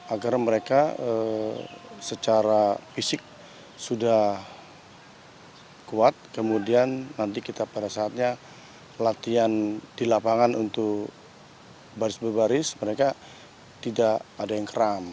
agar mereka secara fisik sudah kuat kemudian nanti kita pada saatnya latihan di lapangan untuk baris baris mereka tidak ada yang kram